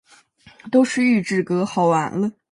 都是预制歌，好完了！